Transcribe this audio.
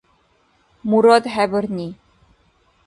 Мурад хӀебарни.